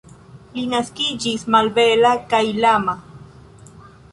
Li naskiĝis malbela kaj lama.